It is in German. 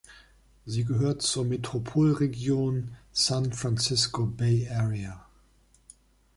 Sie gehört zur Metropolregion San Francisco Bay Area.